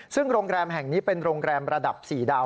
ซึ่งโรงแรมแห่งนี้เป็นโรงแรมระดับ๔ดาว